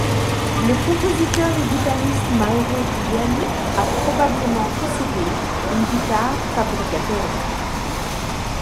Le compositeur et guitariste Mauro Giuliani a probablement possédé une guitare Fabricatore.